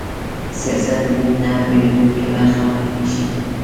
سیاست د دین نه بېلېدونکې برخه معرفي شي